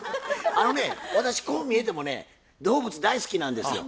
あのね私こう見えてもね動物大好きなんですよ。